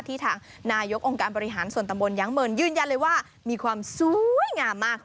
ทางนายกองค์การบริหารส่วนตำบลยั้งเมินยืนยันเลยว่ามีความสวยงามมาก